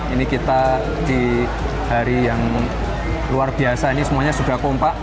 ini kita di hari yang luar biasa ini semuanya sudah kompak